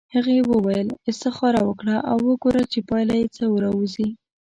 هغې وویل استخاره وکړه او وګوره چې پایله یې څه راوځي.